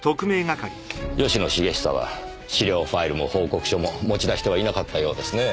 吉野茂久は資料ファイルも報告書も持ち出してはいなかったようですね。